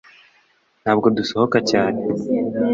ntabwo dusohoka cyane